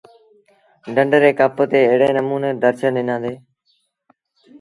ڍنڍ ري ڪپ تي ايڙي نموٚني درشن ڏنآندي۔